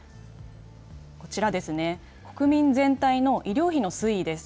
こちらですね、国民全体の医療費の推移です。